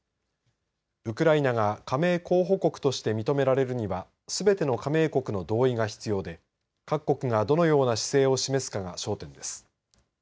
ウクライナが加盟候補国として認められるにはすべての加盟国の同意が必要で各国がどのような姿勢を示すかが焦点です。